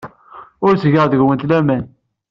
Ur ttgeɣ deg-went laman.